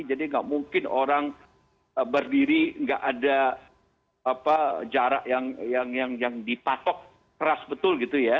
jadi tidak mungkin orang berdiri tidak ada jarak yang dipatok keras betul gitu ya